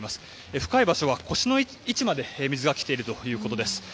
深い場所は腰の位置まで水が来ているということです。